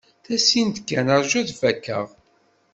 Tasint kan. Rju ad fakkeɣ.